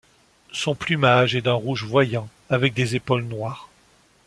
Son plumage est d'un rouge voyant, avec des épaules noires.